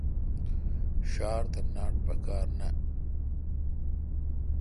ݭار تھہ ناٹ پکار نہ۔